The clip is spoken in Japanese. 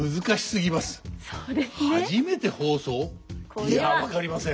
いや分かりません。